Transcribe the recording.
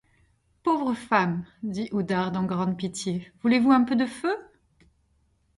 Pauvre femme, dit Oudarde en grande pitié, voulez-vous un peu de feu?